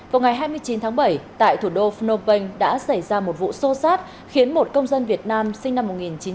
vào ngày hai mươi chín tháng bảy tại thủ đô phnom penh đã xảy ra một vụ xô xát khiến một công dân việt nam sinh năm một nghìn chín trăm tám mươi